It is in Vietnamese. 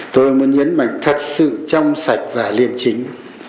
tôi muốn nhấn mạnh thật sự trong sạch và liêm chính